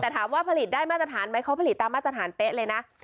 แต่ถามว่าผลิตได้มาตรฐานไหมเขาผลิตตามมาตรฐานเป๊ะเลยนะ